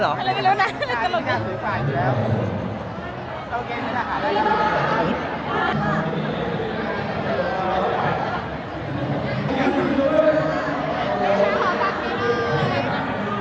อยากใช้เย็นกันดู